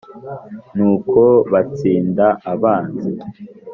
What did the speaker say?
nu ko batsinda abanzi